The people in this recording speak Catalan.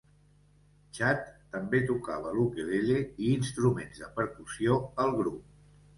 Chad també tocava l'ukelele i instruments de percussió al grup.